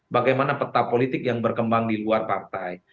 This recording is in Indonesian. bagaimana peta politik yang berkembang di luar partai